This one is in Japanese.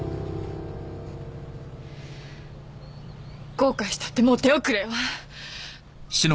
後悔したってもう手遅れよ。